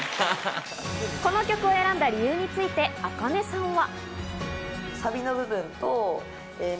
この曲を選んだ理由についてａｋａｎｅさんは。